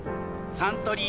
サントリー